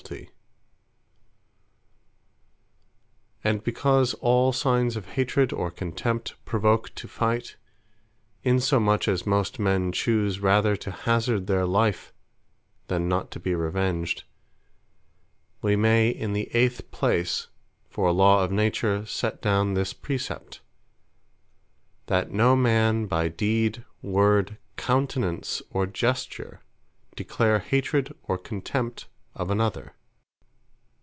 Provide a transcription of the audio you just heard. The Eighth, Against Contumely And because all signes of hatred, or contempt, provoke to fight; insomuch as most men choose rather to hazard their life, than not to be revenged; we may in the eighth place, for a Law of Nature set down this Precept, "That no man by deed, word, countenance, or gesture, declare Hatred, or Contempt of another."